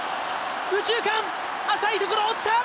右中間浅いところ落ちた！